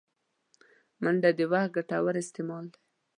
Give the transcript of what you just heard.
منډه د وخت ګټور استعمال دی